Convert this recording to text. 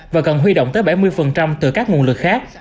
và cần huy động tới bảy mươi từ các nguồn lực khác